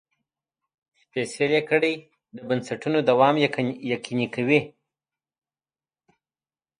سپېڅلې کړۍ د بنسټونو دوام یقیني کوي.